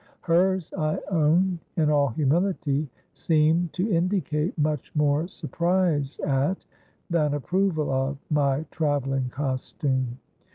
Hers, I own, in all humility, seemed to indicate much more surprise at, than approval of, my travelling costume.